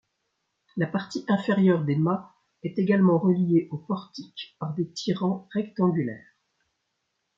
La partie inférieure des mâts est également reliée aux portiques par des tirants rectangulaires.